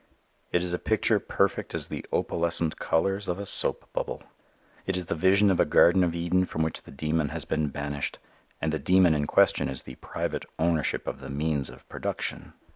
It is a picture beautiful as the opalescent colors of a soap bubble. It is the vision of a garden of Eden from which the demon has been banished. And the Demon in question is the Private Ownership of the Means of Production.